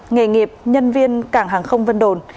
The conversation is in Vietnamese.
nghề nghiệp nhân viên cảng hàng không vân đồn